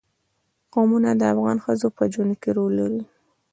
قومونه د افغان ښځو په ژوند کې رول لري.